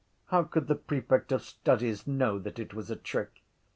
How could the prefect of studies know that it was a trick?